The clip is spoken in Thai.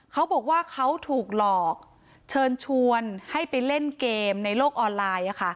เขาบอกว่าเขาถูกหลอกเชิญชวนให้ไปเล่นเกมในโลกออนไลน์